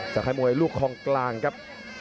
สักครั้งมวยลูกคล่องกลางครับ